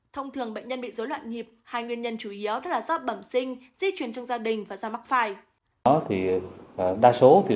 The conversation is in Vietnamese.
thông thường bệnh nhân bị dối loạn nhịp hai nguyên nhân chủ yếu đó là do bẩm sinh di chuyển trong gia đình và do mắc phai